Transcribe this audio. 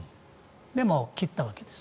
でも切ったわけです。